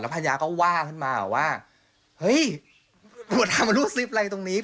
แล้วภายาก็ว่าขึ้นมาว่าเฮ้ยปวดทำมันรูดซิฟอะไรตรงนี้